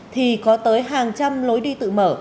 thì có tới hàng trăm lối đi tự mở